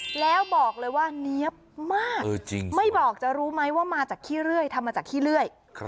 แล้วบอกเลยว่าเนี๊ยบมากไม่บอกจะรู้ไหมว่ามาจากขี้เลื่อยทำมาจากขี้เลื่อย